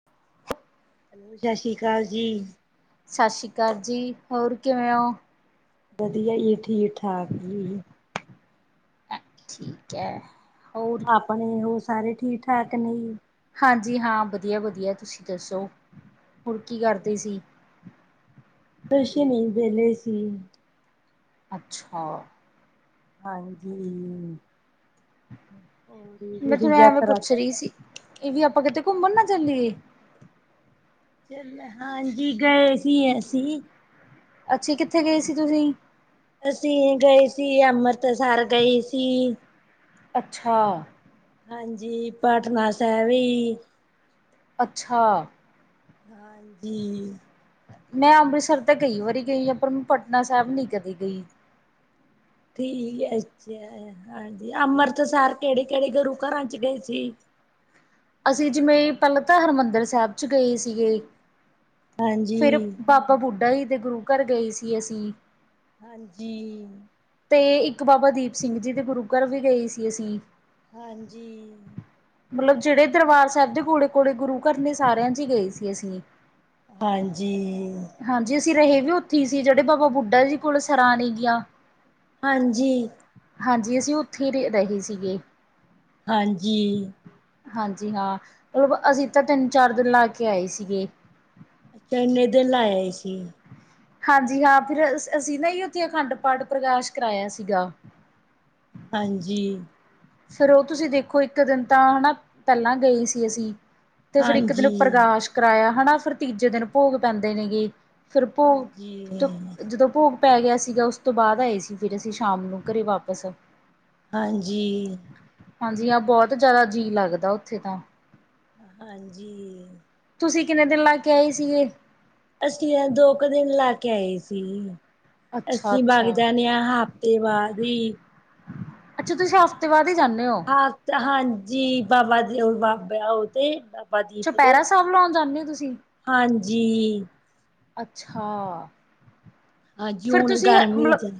[inaudible] Hello ਸਤਿ ਸ਼੍ਰੀ ਅਕਾਲ ਜੀ। ਸਤਿ ਸ਼੍ਰੀ ਅਕਾਲ ਜੀ, ਹੋਰ ਕਿਵੇਂ ਹੋ। ਵਧੀਆ ਜੀ ਠੀਕ ਠਾਕ ਜੀ। ਠੀਕ ਹੈ, ਹੋਰ? ਆਪਣੇ ਉਹ ਸਾਰੇ ਠੀਕ ਠਾਕ ਨਹੀਂ ਹਾਂਜੀ ਹਾਂ ਵਧੀਆ-ਵਧੀਆ ਤੁਸੀਂ ਦੱਸੋ ਹੋਰ ਕੀ ਕਰਦੇ ਸੀ? ਖੁਸ਼ ਨੀ ਵੇਲੇ ਸੀ। ਅੱਛਾ। ਹਾਂਜੀ। [unintelligible] ਮੈਂ ਤੁਹਾਨੂੰ ਐਵੇਂ ਯਾਤਰਾ ਪੁੱਛ ਰਹੀ ਸੀ। ਇਹ ਵੀ ਆਪਾਂ ਕਿਤੇ ਘੁੰਮਣ ਨਾ ਚੱਲੀਏ ਚੱਲਣਾ ਹਾਂਜੀ ਗਏ ਸੀ ਅਸੀਂ ਅੱਛਾ। ਕਿੱਥੇ ਗਏ ਸੀ ਤੁਸੀਂ? ਅਸੀਂ ਗਏ ਸੀ ਅੰਮ੍ਰਿਤਸਰ ਗਏ ਸੀ। ਅੱਛਾ। ਹਾਂਜੀ, ਪਟਨਾ ਸਾਹਿਬ ਹੀ। ਅੱਛਾ। ਹਾਂਜੀ। ਮੈਂ ਅੰਮ੍ਰਿਤਸਰ ਤਾਂ ਕਈ ਵਾਰੀ ਗਈ ਹਾਂ। ਪਰ, ਮੈਂ ਪਟਨਾ ਸਾਹਿਬ ਨੀ ਕਦੀ ਗਈ। ਠੀਕ ਹੈ। ਅੱਛਾ ਹਾਂਜੀ ਅੰਮ੍ਰਿਤਸਰ ਕਿਹੜੇ-ਕਿਹੜੇ ਗੁਰੂ ਘਰਾਂ ਚ ਗਏ ਸੀ? ਅਸੀਂ। ਜਿਵੇਂ ਪਹਿਲਾਂ ਤਾਂ ਹਰਿਮੰਦਰ ਸਾਹਿਬ ਚ ਗਏ ਸੀਗੇ ਹਾਂਜੀ ਫਿਰ ਆਪਾਂ ਬੁੱਢਾ ਜੀ ਦੇ, ਗੁਰੂ ਘਰ ਗਏ ਸੀ। ਅਸੀਂ ਹਾਂਜੀ। ਤੇ ਇੱਕ ਬਾਬਾ ਦੀਪ ਸਿੰਘ ਜੀ ਦੇ, ਗੁਰੂ ਘਰ ਵੀ ਗਏ ਸੀ। ਅਸੀਂ ਹਾਂਜੀ। ਮਤਲਬ, ਜਿਹੜੇ ਦਰਬਾਰ ਸਾਹਿਬ ਦੇ ਕੋੋਲੇ ਕੋੋਲੇ ਗੁਰੂ ਘਰ ਨੇ ਸਾਰਿਆਂ ਚ ਗਏ ਸੀ। ਅਸੀਂ ਹਾਂਜੀ। ਹਾਂਜੀ ਅਸੀਂ ਰਹੇ ਵੀ ਉੱਥੇ ਹੀ ਸੀ। ਜਿਹੜੇ ਬਾਬਾ ਬੁੱਢਾ ਜੀ ਕੋਲ ਸਰਾਂ ਲਈ ਦੀ ਆਂ। ਹਾਂਜੀ। ਹਾਂਜੀ, ਅਸੀਂ ਓਥੇ ਰੇ ਰਹੇ ਸੀਗੇ। ਹਾਂਜੀ। ਹਾਂਜੀ ਹਾਂ ਮਤਲਬ ਅਸੀਂ ਤਾਂ ਤਿੰਨ-ਚਾਰ ਦਿਨ ਲਾ ਕੇ ਆਏ ਸੀਗੇ। ਐਨੇ ਦਿਨ ਲਾ ਆਏ ਸੀ। ਹਾਂਜੀ ਹਾਂ ਫਿਰ ਅਸੀਂ ਨਾ ਹੀ ਓਥੇ ਅਖੰਡ ਪਾਠ ਪ੍ਰਕਾਸ਼ ਕਰਾਇਆ ਸੀਗਾ। ਹਾਂਜੀ। ਫਿਰ ਓ ਤੁਸੀਂ ਦੇਖੋ‌, ਇੱਕ ਦਿਨ ਤਾਂ ਹੈਨਾ ਪੈਲਾਂ ਗਏ ਸੀ ਅਸੀਂ। ਤੇ ਫੇਰ ਇੱਕ ਦਿਨ ਹਾਂਜੀ। ਪ੍ਰਕਾਸ਼ ਕਰਾਇਆ ਹੈਨਾ। ਫਿਰ ਤੀਜੇ ਦਿਨ ਭੋਗ ਪੈਂਦੇ ਨੇਗੇ ਫਿਰ ਭੋਗ, ਹਾਂਜੀ, ਜਦੋਂ ਭੋਗ ਪੈ ਗਿਆ ਸੀਗਾ, ਉਸ ਤੋਂ ਬਾਦ ਆਏ ਸੀ ਫਿਰ, ਅਸੀਂ ਸ਼ਾਮ ਨੂੰ ਘਰੇ ਵਾਪਸ। ਹਾਂਜੀ। ਹਾਂਜੀ ਹਾਂ ਬੋਤ ਜ਼ਿਆਦਾ ਜੀਅ ਲੱਗਦਾ ਓਥੇ ਤਾਂ ਹਾਂਜੀ। ਤੁਸੀਂ ਕਿੰਨੇ ਦਿਨ ਲਾਕੇ ਆਏ ਸੀਗੇ? ਅਸੀ ਅ ਦੋ ਕ ਦਿਨ ਲਾ ਕੇ ਆਏ ਸੀ। ਅੱਛਾ ਅਸੀਂ ਵਗ ਅੱਛਾ ਜਾਂਨੇ ਆ ਹਫ਼ਤੇ ਬਾਦ ਈ। ਅੱਛਾ ਤੁਸੀਂ ਹਫ਼ਤੇ ਬਾਅਦ ਈ ਜਾਂਨੇ ਓ। ਹਾਂ ਹਾਂਜੀ ਬਾਬਾ ਦੇ ਉ ਬਾਬਾ ਓ ਤੇ ਬਾ ਦੀਪ ਦੇ, ਚੁਪਹਿਰਾ ਸਾਹਿਬ ਲਾਉਣ ਜਾਂਦੇ ਹੋ ਤੁਸੀਂ ਹਾਂਜੀ। ਅੱਛਾ, ਹਾਂਜੀ ਫੇਰ ਹੁਣ ਤੁਸੀਂ ਅ ਗਰਮੀ ਮਤਲ ਚ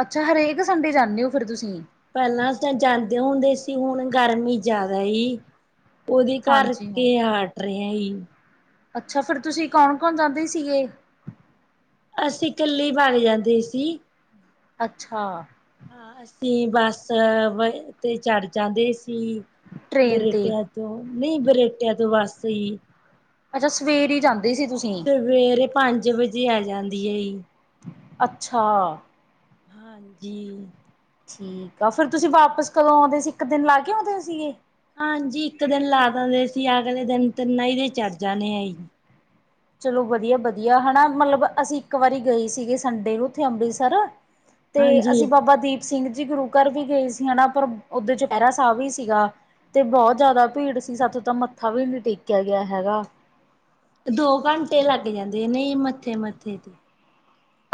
ਅੱਛਾ ਹਰੇਕ ਸੰਡੇ ਜਾਂਦੇ ਓ ਫਿਰ ਤੁਸੀਂ। ਪੈਲਾਂ ਅਸ ਜਾ ਜਾਂਦੇ ਹੁੰਦੇ ਸੀ ਹੁਣ ਗਰਮੀ ਜਾਦਾ ਏ ਓਦੇ ਹਾਂਜੀ ਕਰਕੇ ਹਾਂ ਹਟ ਰਹੀ। ਅੱਛਾ ਫੇਰ ਤੁਸੀਂ ਕੌਣ-ਕੌਣ ਜਾਂਦੇ ਸੀਗੇ? ਅਸੀਂ ਕੱਲੇ ਈ ਵੱਗ ਜਾਂਦੇ ਸੀ। ਅੱਛਾ! ਅਸੀਂ ਬੱਸ ਬ ਓਤੇ ਈ ਚੜ ਜਾਂਦੇ ਸੀ। ਟ੍ਰੇਨ ਤੇ ਬਰੇਟਿਆਂ ਤੋਂ ਨਈ ਬਰੇਟਿਆਂ ਤੋਂ ਬਸ ਈ। ਅੱਛਾ ਸਵੇਰੇ ਜਾਂਦੇ ਸੀ ਤੁਸੀਂ। ਸਵੇਰੇ ਪੰਜ ਵਜੇ ਆ ਜਾਂਦੀ ਐ ਈ। ਅੱਛਾ! ਹਾਂਜੀ। ਠੀਕ ਆ ਫੇਰ ਤੁਸੀਂ ਵਾਪਸ ਕਦੋਂ ਆਉਂਦੇ ਸੀ ਇੱਕ ਦਿਨ ਲਾ ਕੇ ਆਉਂਦੇ ਸੀਗੇ? ਹਾਂਜੀ ਇੱਕ ਦਿਨ ਲਾ ਦਿੰਦੇ ਸੀ ਅਗਲੇ ਦਿਨ ਤਿੰਨ ਆਈ ਦੇ ਚੜ ਜਾਣੇ ਆ ਈ। ਚਲੋ ਵਧੀਆ-ਬਧੀਆ ਹੈਨਾ ਮਤਲਬ ਅਸੀਂ ਇੱਕ ਵਾਰੀ ਗਏ ਸੀਗੇ ਸੰਡੇ ਨੂੰ ਓਥੇ ਅੰਮ੍ਰਿਤਸਰ ਤੇ ਹਾਂਜੀ ਅਸੀਂ ਬਾਬਾ ਦੀਪ ਸਿੰਘ ਜੀ ਗੁਰੂ ਕਾਰ ਵੀ ਗਏ ਸੀ ਹੈਨਾ ਪਰ ਓਦੇ ਚੋਪੈਰਾ ਸਾਬ ਵੀ ਸੀਗਾ। ਤੇ ਬੋਤ ਜ਼ਿਆਦਾ ਪੀੜ ਸੀ ਸਾਥੋਂ ਤਾਂ ਮੱਥਾ ਵੀ ਨੀ ਟੇਕਿਆ ਗਯਾ ਹੈਗਾ‌। ਦੋ ਘੰਟੇ ਲੱਗ ਜਾਂਦੇ ਨੇ ਈ ਮੱਥੇ-ਮੱਥੇ ਤੇ।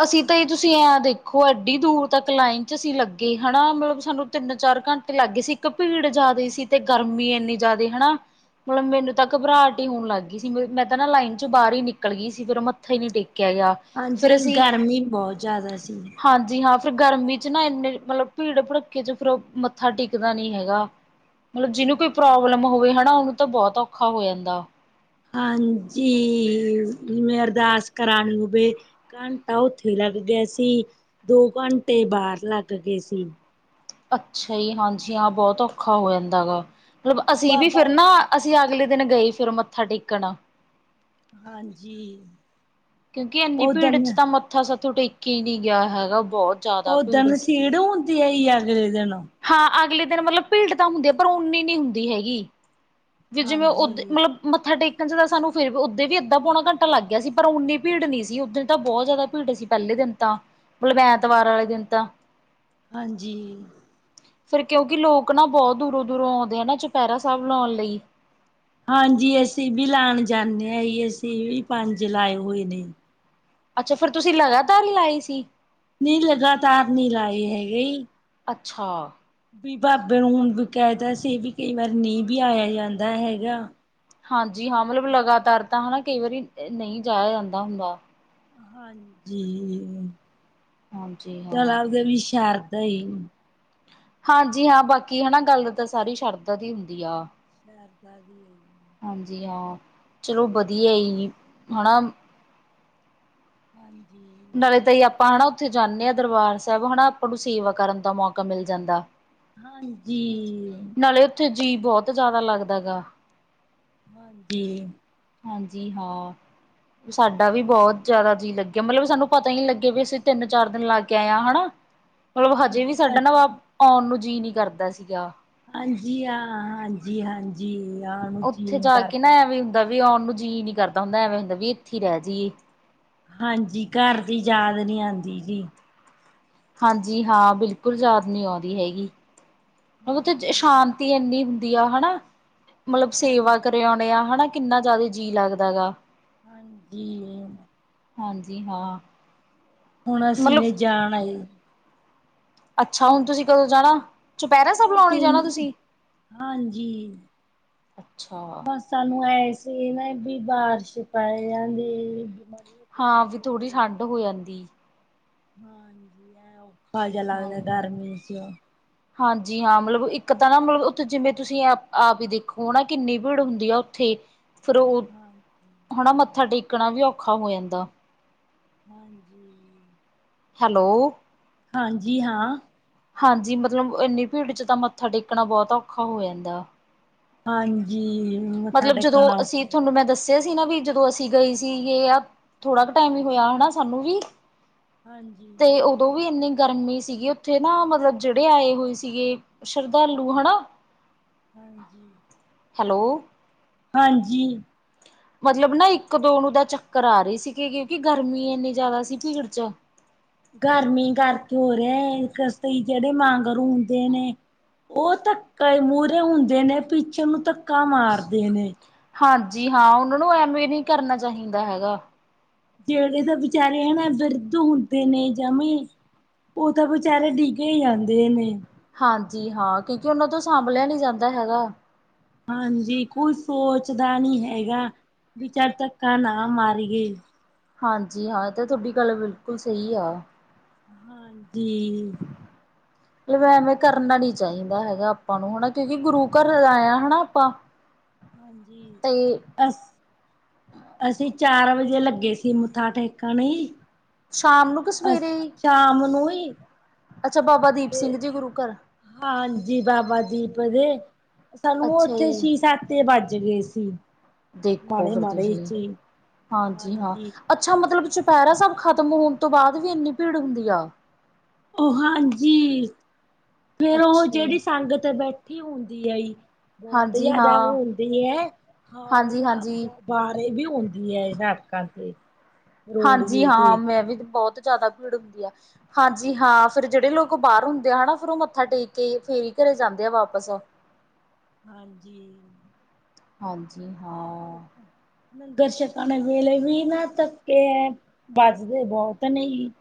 ਅਸੀਂ ਤਾਂ ਇ ਤੁਸੀਂ ਐਂ ਦੇਖੋ ਐਡੀ ਦੂਰ ਤੱਕ ਲਾਈਨ ਚ ਅਸੀਂ ਲੱਗੇ ਹੈਨਾ ਮਲਬ ਸਾਨੂੰ ਤਿੰਨ-ਚਾਰ ਘੰ ਤੇ ਲਾਗੇ ਸੀ ਇੱਕ ਪੀੜ ਜ਼ਿਆਦਾ ਸੀ ਤੇ ਗਰਮੀ ਐਨੀ ਜ਼ਿਆਦਾ ਹੈਨਾ। ਮਲਬ ਮੈਨੂੰ ਤਾਂ ਘਬਰਾਟ ਈ ਹੋਣ ਲਾਗੀ ਸੀ। ਮ ਮੈਂ ਤਾਂ ਨਾ ਲਾਈਨ ਚੋਂ ਬਾਹਰ ਈ ਨਿਕਲ ਗੀ ਸੀ, ਫਿਰ ਮੱਥਾ ਈ ਨੀ ਟੇਕਿਆ ਗਯਾ। ਹਾਂਜੀ ਗਰਮੀ ਬੋਅ ਜ਼ਿਆਦਾ ਸੀ। ਹਾਂਜੀ ਹਾਂ ਫੇਰ ਗਰਮੀ 'ਚ ਨਾ ਇੰਨੇ ਮਤਲਬ ਭੀੜ ਭੜੱਕੇ 'ਚ ਫੇਰ ਮੱਥਾ ਟਿਕਦਾ ਨੀ ਹੈਗਾ। ਮਲਬ ਜਿਹਨੂੰ ਕੋਈ ਹਾਂਜੀ ਪ੍ਰੋਬਲਮ ਹੋਵੇ ਹਨਾ ਉਹਨੂੰ ਤਾਂ ਬੋਤ ਔਖਾ ਹੋ ਜਾਂਦਾ। ਹਾਂਜੀ ਜਿਵੇਂ ਅਰਦਾਸ ਕਰਾਂਣੀ ਬੇ ਘੰਟਾ ਉੱਥੇ ਲੱਗ ਗਿਆ ਸੀ ਦੋ ਘੰਟੇ ਬਾਹਰ ਲੱਗ ਗਏ ਸੀ। ਅੱਛਾ ਜੀ ਹਾਂਜੀ ਹਾਂ ਬੋਤਲਾਂ ਔਖਾ ਹੋ ਜਾਂਦਾ ਗਾ ਮਤਲਬ ਅਸੀਂ ਵੀ ਫਿਰ ਬਾਬਾ ਨਾ ਅਸੀਂ ਅਗਲੇ ਦਿਨ ਗਏ ਫਿਰ ਮੱਥਾ ਟੇਕਣ। ਹਾਂਜੀ। ਕਿਉਂਕਿ ਐਨੀ ਭੀੜ ਓਦਣ 'ਚ ਤਾਂ ਮੱਥਾ ਸਾਥੋਂ ਟੇਕਿਆ ਈ ਨੀ ਗਿਆ ਹੈਗਾ ਬਹੁ ਓਦਨ ਸੀੜ ਹੁੰਦੀ ਆਈ ਅਗਲੇ ਦਿਨ? ਹਾਂ ਅਗਲੇ ਦਿਨ ਮਤਲਬ ਭੀੜ ਤਾਂ ਹੁੰਦੀ ਆ ਪਰ ਉਨੀ ਨੀ ਹੁੰਦੀ ਹੈਗੀ। ਵੀ ਜਿਵੇਂ ਉਦ ਹਾਂਜੀ, ਮਤਲਬ ਮੱਥਾ ਟੇਕਣ 'ਚ ਤਾਂ ਸਾਨੂੰ ਫੇਰ ਉਦੇ ਵੀ ਅੱਧਾ ਪੌਣਾ ਘੰਟਾ ਲੱਗ ਗਿਆ ਸੀ ਪਰ ਉਨੀ ਭੀੜ ਨੀ ਸੀ ਉਦਣ ਤਾਂ ਬੋਤ ਜ਼ਿਆਦਾ ਭੀੜ ਸੀ ਪੈਲੇ ਦਿਨ ਤਾਂ। ਮਲਬ ਐਤਵਾਰ ਆਲੇ ਦਿਨ ਤਾਂ। ਹਾਂਜੀ। ਫਿਰ ਕਿਉਂਕਿ ਲੋਕ ਨਾ ਬੋਤ ਦੂਰੋਂ-ਦੂਰੋਂ ਓਂਦੇ ਆ ਨਾ ਚੁਪੈਰਾ ਸਾਬ ਲਾਣ ਲਈ। ਹਾਂਜੀ ਅਸੀਂ ਵੀ ਲਾਣ ਜਾਂਨੇ ਆ ਈ ਅਸੀਂ ਵੀ ਪੰਜ ਲਾਏ ਹੋਏ ਨੇ। ਅੱਛਾ ਫਿਰ ਤੁਸੀਂ ਲਗਾਤਾਰ ਲਾਏ ਸੀ? ਨੀ ਲਗਾਤਾਰ ਨੀ ਲਾਏ ਹੈਗੇ ਈ। ਅੱਛਾ ਵੀ ਬਾਬੇ ਨੂੰ ਹੁਣ ਵੀ ਕੈਤਾ ਸੀ ਵੀ ਕਈ ਵਾਰ ਨਈ ਵੀ ਆਇਆ ਜਾਂਦਾ ਹੈਗਾ। ਹਾਂਜੀ ਹਾਂ ਮਤਲਬ ਲਗਾਤਾਰ ਤਾਂ ਹਨਾ ਕਈ ਵਾਰੀ ਨਈ ਜਾਇਆ ਜਾਂਦਾ ਹੁੰਦਾ। ਹਾਂਜੀ ਹਾਂਜੀ ਹਾਂ। ਚਲਾ ਆਪਦੇ ਵੀ ਸ਼ਰਦ ਹੀ ਹਾਂਜੀ ਹਾਂ ਬਾਕੀ ਹਨਾ ਗੱਲ ਤਾਂ ਸਾਰੀ ਸ਼ਰਧਾ ਦੀ ਹੁੰਦੀ ਆ ਸ਼ਰ ਦਾ ਦੀ ਆ ਹਾਂਜੀ ਹਾਂ ਚਲੋ ਵਧੀਆ ਹਨਾ ਹਾਂਜੀ ਨਾਲ ਤਾਂ ਆਪਾਂ ਹੈਾ ਉੱਥੇ ਜਾਂਦੇ ਹਾਂ ਦਰਬਾਰ ਸਾਬ ਹਨਾ ਆਪਾਂ ਨੂੰ ਸੇਵਾ ਕਰਨ ਦਾ ਮੌਕਾ ਮਿਲ ਜਾਂਦਾ ਹਾਂਜੀ ਨਾਲੇ ਉੱਥੇ ਜੀਅ ਬੋਤ ਜ਼ਿਆਦਾ ਲੱਗਦਾ ਗਾ ਹਾਂਜੀ ਹਾਂਜੀ ਹਾਂ ਸਾਡਾ ਵੀ ਬੋਤ ਜ਼ਿਆਦਾ ਜੀਅ ਲੱਗਿਆ ਮਤਲਬ ਸਾਨੂੰ ਪਤਾ ਹੀ ਨੀ ਲੱਗੇ ਵੀ ਅਸੀਂ ਤਿੰਨ ਚਾਰ ਦਿਨ ਲੱਗ ਕੇ ਆਏ ਹਾਂ ਹਨਾ ਮਤਲਬ ਹਜੇ ਵੀ ਹਾਂਜੀ ਸਾਡਾ ਨਾ ਪਤ ਵਾ ਆਉਣ ਨੂੰ ਜੀਅ ਨਹੀਂ ਕਰਦਾ ਸੀਗਾ ਹਾਂਜੀ ਹਾਂ ਹਾਂਜੀ ਹਾਂਜੀ ਆਣ ਨੂੰ ਜੀ ਨੀ ਕਰਦਾ ਹ ਵੀ ਆਉਣ ਨੂੰ ਜੀਅ ਨਹੀਂ ਕਰਦਾ ਹੁੰਦਾ ਐਵੇਂ ਹੁੰਦਾ ਵੀ ਇੱਥੇ ਰੈ ਜਾਈਏ ਹਾਂਜੀ ਘਰ ਦੀ ਯਾਦ ਨੀ ਆਂਦੀ ਜੀ ਹਾਂਜੀ ਹਾਂ ਬਿਲਕੁਲ ਯਾਦ ਨਹੀਂ ਆਂਦੀ ਹੈਗੀ ਉਥੇ ਹਾਂਜੀ ਸ਼ਾਂਤੀ ਇੰਨੀ ਦੀ ਆ ਹਨਾ ਮਤਲਬ ਸੇਵਾ ਹਾਂਜੀ ਕਰਿਆਉਣੇ ਆ ਹਨਾ ਕਿੰਨਾ ਜ਼ਿਆਦਾ ਜੀਅ ਲੱਗਦਾ ਗਾ ਹਾਂਜੀ ਹਾਂਜੀ ਹਾਂ ਹੁਣ ਮਤਲਬ ਅਸੀਂਨ ਜਾਣ ਆਏ ਅੱਛਾ ਹੁਣ ਤੁਸੀਂ ਕਦੋਂ ਜਾਣਾ ਚੁਪੈਰਾ ਸਾਬ ਹੁਣ ਲਾਉਣੇ ਅਸੀਂ ਜਾਣਾ ਤੁਸੀਂ ਹਾਂਜੀ ਅੱਛਾ ਬਸ ਸਾਨੂੰ ਐਸੇ ਨਾ ਵੀ ਬਾਰਿਸ਼ ਪਏ ਜਾਂਦੇ ਹਾਂ ਵੀ ਥੋੜ੍ਹੀ ਠੰਡ ਹੋ ਜਾਂਦੀ ਹਾਂਜੀ ਐ ਔਖਾ ਜੇਹਾ ਹਾਂ। ਲੱਗਦਾ ਗਰਮੀ ਚ ਹਾਂਜੀ ਹਾਂ, ਮਤਲਬ ਇੱਕ ਤਾਂ ਨਾ ਮਤਲਬ ਉੱਥੇ ਜਿਵੇਂ ਤੁਸੀਂ ਆ ਆਪ ਹੀ ਦੇਖੋ ਨਾ ਕਿੰਨੀ ਭੀੜ ਹੁੰਦੀ ਆ ਉੱਥੇ। ਫਿਰ ਉਹ ਉਥ ਹਾਂਜੀ ਹਨਾਂ, ਮੱਥਾ ਟੇਕਣਾ ਵੀ ਔਖਾ ਹੋ ਜਾਂਦਾ। ਹਾਂਜੀ। ਹੈਲੋ ਹਾਂਜੀ ਹਾਂ। ਹਾਂਜੀ ਮਤਲਬ ਇੰਨੀ ਭੀੜ ਚ ਤਾਂ ਮੱਥਾ ਟੇਕਣਾ ਬਹੁਤ ਔਖਾ ਹੋ ਜਾਂਦਾ। ਹਾਂਜੀ। ਮੱਥਾ ਮਤਲਬ ਜਦੋਂ ਟੇਕਣਾ ਅਸੀਂ ਔਖਾ ਤੁਹਾਨੂੰ ਮੈਂ ਦੱਸ ਸੀ ਨਾ ਵੀ ਜਦੋਂ ਅਸੀਂ ਗਏ ਸੀਗੇ ਆ ਥੋੜਾ ਕੁ ਟਾਈਮ ਈ ਹੋਇਆ ਹਨਾਂ ਸਾਨੂੰ ਵੀ। ਹਾਂਜੀ ਤੇ ਉਹ ਉਹ ਵੀ ਇੰਨੀ ਗਰਮੀ ਸੀਗੀ ਉੱਥੇ ਨਾ ਮਤਲਬ ਜਿਹੜੇ ਆਏ ਹੋਏ ਸੀਗੇ ਸ਼ਰਧਾਲੂ ਹਨਾਂ। ਹਾਂਜੀ। ਹੈਲੋ ਹਾਂਜੀ। ਮਤਲਬ ਨਾ ਇੱਕ ਦੋ ਨੂੰ ਦਾ ਚੱਕਰ ਆ ਰੇ ਸੀ ਕਿ ਕਿਉਂਕਿ ਗਰਮੀ ਇੰਨੀ ਜ਼ਿਆਦਾ ਸੀ ਭੀੜ ਚ। ਗਰਮੀ ਕਰਕੇ ਹੋ ਰਿਹਾ [unintelligible] ਜਿਹੜੇ ਵਾਂਗਰ ਹੁੰਦੇ ਨੇ। ਉਹ ਧੱਕ ਮੂਹਰੇ ਹੁੰਦੇ ਨੇ ਪਿੱਛੇ ਨੂੰ ਧੱਕਾ ਮਾਰਦੇ ਨੇ। ਹਾਂਜੀ ਹਾਂ, ਉਹਨਾਂ ਨੂੰ ਐਵੇਂ ਨ੍ਹੀਂ ਕਰਨਾ ਚਾਹੀਦਾ ਹੈਗਾ। ਜਿਹੜੇ ਤਾਂ ਵਿਚਾਰੇ ਹੇਨਾਂ ਬਿਰਧ ਹੁੰਦੇ ਨੇ ਜਵੇਂ ਉਹ ਤਾਂ ਵਚਾਰੇ ਡਿੱਗੇ ਹੀ ਜਾਂਦੇ ਨੇ। ਹਾਂਜੀ ਹਾਂ, ਕਿਉਂਕਿ ਉਹਨਾਂ ਤੋਂ ਸਾਂਭਲਿਆ ਨੀ ਜਾਂਦਾ ਹੈਗਾ। ਹਾਂਜੀ ਕੋਈ ਸੋਚਦਾ ਨੀ ਹੈਗਾ, ਬੀ ਚੱਲ ਧੱਕਾ ਨਾ ਮਾਰੀਏ। ਹਾਂਜੀ ਹਾਂ, ਤੇ ਤੁਹਾਡੀ ਗੱਲ ਬਿਲਕੁਲ ਸਹੀ ਐ। ਜੀ। [inaudible] ਮਤਲਬ ਐਵੇਂ ਕਰਨਾ ਨੀ ਚਾਈਦਾ ਹੈਗਾ ਆਪਾਂ ਨੂੰ ਹਨਾ, ਕਿਉਂਕਿ ਗੁਰੂ ਘਰ ਆਏ ਆਂ ਹਨਾ ਆਪਾਂ [inaudible] ਹਾਂਜੀ। ਤੇ ਅਸ ਅਸੀਂ ਚਾਰ ਵਜੇ ਲੱਗੇ ਸੀ ਮੱਥਾ ਟੇਕਣ ਈ। ਸ਼ਾਮ ਨੂੰ ਕਿ ਅਸ ਸਵੇਰੇ ਈ? ਸ਼ਾਮ ਨੂੰ ਈ। ਅੱਛਾ, ਬਾਬਾ ਦੀਪ ਸਿੰਘ ਜੀ ਗੁਰੂ ਘਰ। ਹਾਂਜੀ ਬਾਬਾ ਦੀਪ ਦੇ ਸਾਨੂੰ ਅੱਛਾ ਉੱਥੇ ਜੀ ਛੀ-ਸੱਤ ਵੱਜ ਗਏ ਸੀ। ਦੇਖੋ ਮਾੜੇ ਫੇਰ ਮਾੜੇ ਤੁਸੀਂ ਚ ਈ। ਹਾਂਜੀ, ਹਾਂ। ਅੱਛਾ ਮਤਲਬ ਚੁਪਹਿਰਾ ਸਾਬ ਖ਼ਤਮ ਹੋਣ ਤੋਂ ਬਾਅਦ ਵੀ ਇੰਨੀ ਭੀੜ ਹੁੰਦੀ ਆ। ਉਹ ਹਾਂਜੀ ਫੇਰ ਉਹ ਅੱਛਾ ਜੀ ਜਿਹੜੀ ਸੰਗਤ ਬੈਠ ਇਕੱਠੀ ਹੁੰਦੀ ਹੈ ਜੀ ਬੋਤ ਹਾਂਜੀ ਜਿਆਦਾ ਹਾਂ ਹੁੰਦੀ ਐ। ਹਾਂ ਹਾਂਜੀ ਹਾਂਜੀ ਬ ਵਾਰੇ ਵੀ ਹੁੰਦੀ ਐ [unintelligible] ਤੇ ਹਾਂਜੀ ਰੋਡਵੇ ਹਾਂ, ਤੇ ਮੈਂ ਵੀ ਤੇ ਬੋਤ ਜ਼ਿਆਦਾ ਭੀੜ ਹੁੰਦੀ ਐ। ਹਾਂਜੀ ਹਾਂ ਫੇਰ ਜਿਹੜੇ ਲੋਕ ਬਾਹਰ ਹੁੰਦੇ ਆ ਹਨਾਂ ਫਿਰ ਉਹ ਮੱਥਾ ਟੇਕ ਕੇ ਫੇਰ ਈ ਘਰੇ ਜਾਂਦੇ ਆ ਵਾਪਸ। [inaudible] ਹਾਂਜੀ। ਹਾਂਜੀ। ਫੇਰ ਉਹ ਹਾਂ। ਓਥੇ ਨੰਗਰਸ਼ਕਾਂ ਵੇਲੇ ਵੀ ਨਾ ਧੱਕੇ ਵੱਜਦੇ ਬਹੁਤ ਨੇ ਜੀ।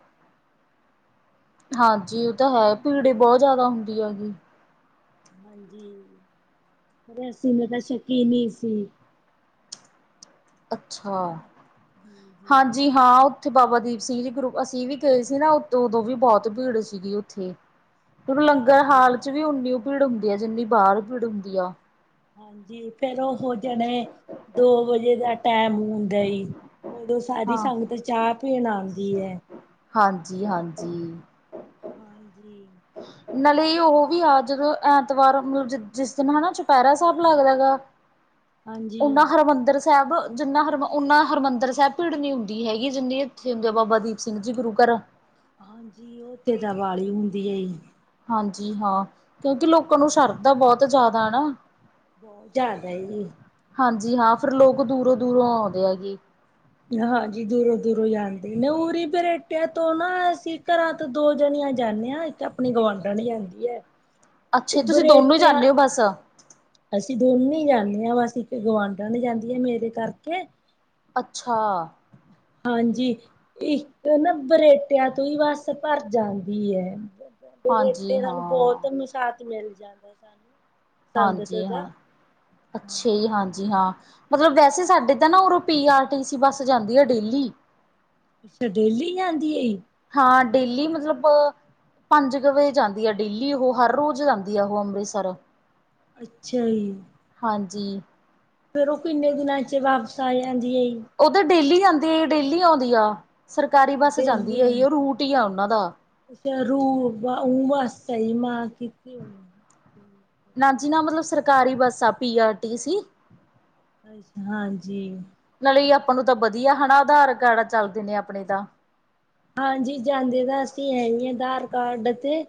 ਹਾਂਜੀ ਉਹ ਤਾਂ ਹੈ ਭੀੜ ਬਹੁਤ ਜ਼ਿਆਦਾ ਹੁੰਦੀ ਹੈਗੀ। ਹਾਂਜੀ ਆਸੀ ਮੈ ਤਾਂ ਸ਼ਕੀ ਨਹੀਂ ਸੀ। ਅੱਛਾ, ਹਾਂਜੀ ਹਾਂ। ਉੱਥੇ ਬਾਬਾ ਦੀਪ ਸਿੰਘ ਜੀ ਗਰੁੱਪ ਅਸੀਂ ਵੀ ਗਏ ਸੀ ਨਾ, ਉਦੋਂ ਵੀ ਬਹੁਤ ਭੀੜ ਸੀਗੀ ਉੱਥੇ। ਤੇ ਲੰਗਰ ਹਾਂਜੀ ਹਾਲ ਚ ਵੀ ਉਓਨੀ ਭੀੜ ਹੁੰਦੀ ਆ, ਜਿੰਨੀ ਬਾਹਰ ਭੀੜ ਹੁੰਦੀ ਆ। ਹਾਂਜੀ ਫੇਰ ਉਹ ਜਾਣੇ ਦੋ ਵਜੇ ਦਾ ਟੈਮ ਹੁੰਦਾ ਈ। ਉਦੋਂ ਸਾਰੀ ਹਾਂ। ਸੰਗਤ ਚਾਹ ਪੀਣ ਆਉਂਦੀ ਹੈ। ਹਾਂਜੀ, ਹਾਂਜੀ ਹਾਂਜੀ। ਨਾਲੇ ਉਹ ਵੀ ਆ ਜਦੋਂ ਐਤਵਾਰ ਮਤਲਬ ਜਿਸ ਦਿਨ ਹਨ ਨਾ ਚੁਪਹਿਰਾ ਸਾਹਿਬ ਲੱਗਦਾ ਗਾ। ਹਾਂਜੀ ਉਹ ਮੈਂ ਹਰਿਮੰਦਰ ਸਾਹਿਬ ਜਿੰਨਾ ਹਰਮ ਓਨਾ ਹਰਿਮੰਦਰ ਸਾਹਿਬ ਭੀੜ ਨੀ ਹੁੰਦੀ ਹੈਗੀ, ਜਿੰਨੀ ਇੱਥੇ ਹੁੰਦੀ ਆ ਬਾਬਾ ਦੀਪ ਸਿੰਘ ਜੀ ਗੁਰੂ ਘਰ ਹਾਂਜੀ, ਉਹ ਤੇ ਦੀਵਾਲੀ ਹੁੰਦੀ ਹੈ ਜੀ। ਹਾਂਜੀ ਹਾਂ, ਕਿਉਂਕਿ ਲੋਕਾਂ ਨੂੰ ਸ਼ਰਧਾ ਬਹੁਤ ਜ਼ਿਆਦਾ ਨਾ। ਬਹੁਤ ਜ਼ਿਆਦਾ ਜੀ। ਹਾਂਜੀ ਹਾਂ ਫਿਰ ਲੋਕ ਦੂਰੋਂ -ਦੂਰੋਂ ਔੰਦੇ ਹੈਗੇ। ਹਾਂਜੀ ਦੂਰੋਂ ਦੂਰੋਂ ਜਾਂਦੇ ਨੇ ਉਰੀ ਬਰੇਟਿਆਂ ਤੋਂ ਨਾ ਸੀ ਘਰਾਂ ਦੋ ਜਣੀਆਂ ਜਾਂਦੇ ਆ ਇੱਕ ਆਪਣੀ ਗਵਾਂਢਣ ਜਾੰਦੀ ਹੈ। ਅੱਛਾ ਤੁਸੀਂ ਦੋਨੋਂ ਹੀ ਜਾਂਦੇ ਹੋ ਬਸ। ਅਸੀਂ ਦੋਨੈ ਈ ਜਾਂਦੇ ਹਾਂ ਵਸ ਇੱਕ ਗੁਵਢਣ ਜਾਂਦੀ ਆ ਮੇਰੇ ਕਰਕੇ ਅੱਛਾ। ਹਾਂਜੀ ਇੱਕ ਨਾ ਬਰੇਟਿਆਂ ਤੋਂ ਹੀ ਬੱਸ ਭਰ ਜਾਂਦੀ ਹੈ। ਹਾਂਜੀ ਇਤੇ ਸਾਨੂੰ ਹਾਂ ਬਹੁਤ ਮਸਾਤ ਮਿਲ ਜਾਂਦਾ ਸਾਨੂੰ। ਸੰਗਤ ਹਾਂਜੀ ਦਾ ਹਾਂ, ਅੱਛੇ, ਹਾਂਜੀ ਹਾਂ। ਮਤਲਬ ਵੈਸੇ ਸਾਡੇ ਤਾਂ ਨਾ ਪੀ ਆਰ ਟੀ ਸੀ ਬੱਸ ਜਾਂਦੀ ਹੈ ਡੇਲੀ। ਅੱਛਾ ਡੇਲੀ ਜਾਂਦੀ ਏ? ਹਾਂ ਡੇਲੀ ਮਤਲਬ ਪੰਜ ਕੁ ਵਜੇ ਜਾਂਦੀ ਆ ਡੇਲੀ ਉਹ ਹਰ ਰੋਜ਼ ਜਾਂਦੀ ਆ ਉਹ ਅੰਮ੍ਰਿਤਸਰ। ਅੱਛਾ ਜੀ ਹਾਂਜੀ ਫੇਰ ਉਹ ਕਿੰਨੇ ਦਿਨਾਂ ਚ ਵਾਪਸ ਆ ਜਾਂਦੀ ਹੈ ਉਧਰ ਡੇਲੀ ਜਾਂਦੀ ਆ ਡੇਲੀ ਆਉਂਦੀ ਆ ਸਰਕਾਰੀ ਅੱਛਾ ਬੱਸ ਜਾਂਦੀ ਹੈ ਜ ਉਹ ਰੂਟ ਹੀ ਆ ਉਹਨਾਂ ਦਾ ਛ ਰੂਸ ਸਹੀ ਮਾਂ ਕਿਥ ਹਮ ਨਾ ਜੀ ਨਾ ਮਤਲਬ ਸਰਕਾਰੀ ਬੱਸ ਆ ਪੀ ਆਰ ਟੀ ਸੀ ਅਛ ਹਾਂਜੀ ਨਾਲੇ ਆਪਾਂ ਨੂੰ ਤਾਂ ਵਧੀਆ ਹਨਾ ਆਧਾਰ ਕਾਰਡ ਚੱਲਦੇ ਨੇ ਆਪਣੇ ਤਾਂ ਹਾਂਜੀ ਜਾਂਦੇ ਤਾਂ ਅਸੀਂ ਹੈ ਹੀ ਹ ਆਧਾਰ ਕਾਰਡ ਤੇ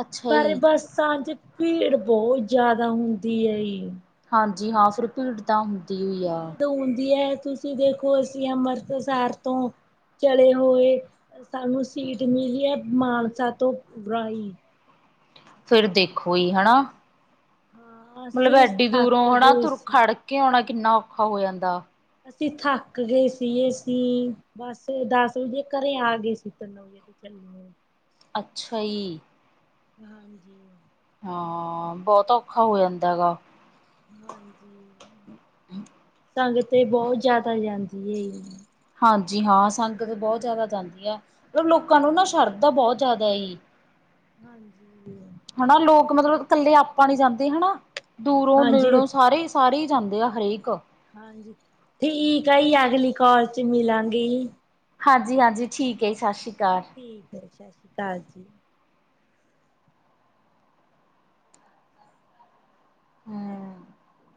ਅੱਛਾ ਪਰ ਜੀ ਬੱਸਾਂ ਚ ਭੀੜ ਬਹੁਤ ਜ਼ਿਆਦਾ ਹੁੰਦੀ ਹੈ ਹਾਂਜੀ ਹਾਫ ਰਿਪੀਟ ਤਾਂ ਹ ਭੀੜ ਹੁੰਦੀ ਹੈ ਤੁਸੀਂ ਦੇਖੋ ਅਸੀਂ ਅੰਮ੍ਰਿਤਸਰ ਤੋਂ ਚਲੇ ਹੋਏ ਸਾਨੂੰ ਸੀਟ ਮਿਲੀ ਹੈ ਮਾਨਸਾ ਤੋਂ ਪਰਾ ਹੀ ਫੇਿਰ ਦੇਖੋ ਹੀ ਹਨਨਾ ਹਾਂ ਮਤਲਬ ਅਸੀਂ ਐਡੀ ਦੂਰੋਂ ਥੱਕ ਹਨਾ ਗਏ ਤੁਰ ਸੀ ਖੜ ਕੇ ਆਣਾ ਕਿੰਨਾ ਔਖਾ ਹੋ ਜਾਂਦਾ ਅਸੀ ਥੱਕ ਗਏ ਸੀ ਅਸੀਂ ਬਸ ਦਸ ਵਜੇ ਘਰੇ ਆ ਗਏ ਸੀ ਤਿੰਨ ਵਜੇ ਚੱਲੀ ਓ ਅੱਛਾ ਈ ਹਾਂਜੀ ਹਾਂ ਬੌਤ ਔਖਾ ਹੋ ਜਾਂਦਾ ਹੈਗਾ। ਹਾਂਜ ਹਮ [inaudible] ਤੰਗ ਤੇ ਬਹੁਤ ਜ਼ਿਆਦਾ ਜਾਂਦੀ ਏ ਹਾਂਜੀ ਹਾਂ ਸੰਗਤ ਬੌਤ ਜ਼ਿਆਦਾ ਜਾਂਦੀ ਐ ਮਤਲ ਲੋਕਾਂ ਨੂੰ ਨਾ ਸ਼ਰਧਾ ਬੌਤ ਜ਼ਿਆਦਾ ਈ। ਹਾਂਜੀ ਹਣਾ ਲੋਕ ਮਤਲਬ ਕੱਲੇ ਆਪਾਂ ਨੀ ਜਾਂਦੇ ਹਨਾ ਦੂਰੋਂ ਹਾਂਜੀ ਨੇੜੋ ਸਾਰੇ ਸਾਰੇ ਈ ਜਾਂਦੇ ਆ ਹਰੇਕ। ਹਾਂਜੀ ਠੀਕ ਆ ਜੀ ਅਗਲੀ ਕਾੱਲ ਚ ਮਿਲਾਂਗੇ ਹਾਂਜੀ, ਹਾਂਜੀ ਠੀਕ ਐ ਜੀ ਸਾਸ਼੍ਰੀਕਾਲ। ਠੀਕ ਐ ਸਾਸ਼੍ਰੀਕਾਲ ਜੀ ਹੁੰ